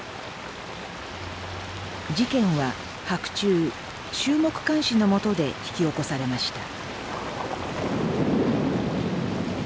事件は白昼衆目環視の下で引き起こされました。